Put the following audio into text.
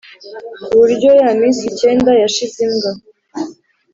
kuburyo ya minsi icyenda yashize imbwa